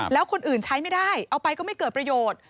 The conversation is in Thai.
แล้วคนอื่นใช้ไม่ได้เอาไปก็ไม่เกิดประโยชน์